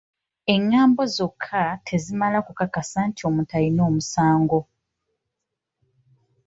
Engambo zokka tezimala kukakasa nti muntu alina omusango.